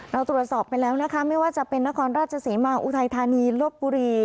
เราตรวจสอบไปแล้วนะคะไม่ว่าจะเป็นนครราชศรีมาอุทัยธานีลบบุรี